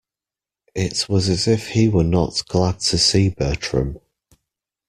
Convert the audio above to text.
It was as if he were not glad to see Bertram.